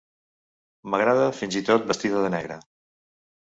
M'agrada fins i tot vestida de negre.